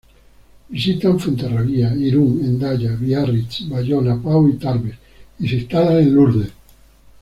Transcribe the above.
Visitan Fuenterrabía, Irún, Hendaya, Biarritz, Bayona, Pau y Tarbes, y se instalan en Lourdes.